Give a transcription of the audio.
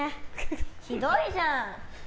ひどいじゃん！